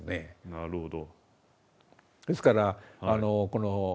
なるほど。